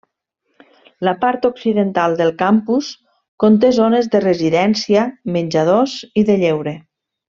La part occidental del campus conté zones de residència, menjadors i de lleure.